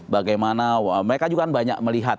bagaimana mereka juga kan banyak melihat